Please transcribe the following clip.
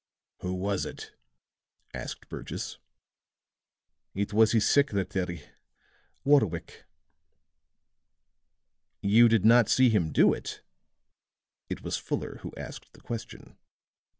"Who was it?" asked Burgess. "It was his secretary Warwick." "You did not see him do it?" It was Fuller who asked the question.